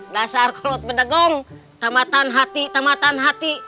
rasanya kalau berdekat tempatan hati tempatan hati